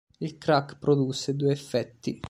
Il crac produsse due effetti.